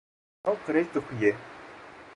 Ew qirêj dixuye.